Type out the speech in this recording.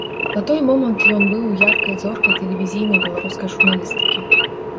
На той момант ён быў яркай зоркай тэлевізійнай беларускай журналістыкі.